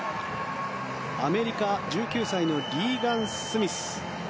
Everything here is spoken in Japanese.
アメリカ、１９歳のリーガン・スミス。